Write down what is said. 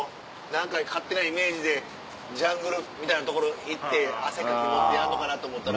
何か勝手なイメージでジャングルみたいな所行って汗かきやんのかなと思ったら。